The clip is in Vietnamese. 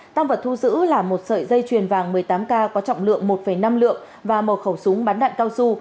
tăng vật thu giữ là một sợi dây chuyền vàng một mươi tám k có trọng lượng một năm lượng và một khẩu súng bắn đạn cao su